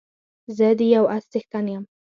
زه د يو اس څښتن يم